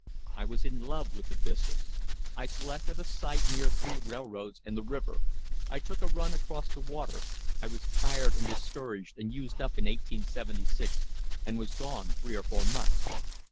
I was in 1 love with the business. I selected a site near three railroads and the river. I took I a run across the water — I was tired and discouraged and used up in 1876, and was j gone three or four months.